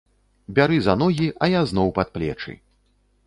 Бяры за ногі, а я зноў пад плечы.